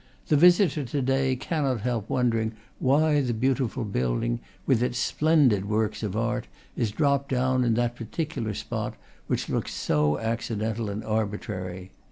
The visitor to day cannot help wondering why the beautiful building, with its splendid works of art, is dropped down in that particular spot, which looks so accidental and arbitrary.